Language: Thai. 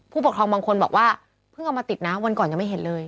ผู้ปกครองบางคนบอกว่าเพิ่งเอามาติดนะวันก่อนยังไม่เห็นเลย